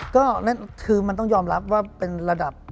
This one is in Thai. ก็นั่นคือมันต้องยอมรับว่าเป็นระดับ